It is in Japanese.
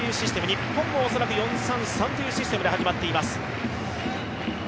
日本もおそらく４−３−３というシステムで始まっています。